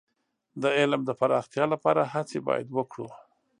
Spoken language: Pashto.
د علم د پراختیا لپاره هڅې باید وکړو.